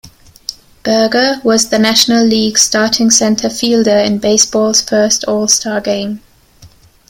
Berger was the National League's starting center fielder in baseball's first All-Star Game.